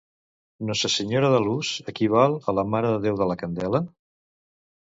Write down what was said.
Nossa Senhora da Luz equival a la Mare de Déu de la Candela?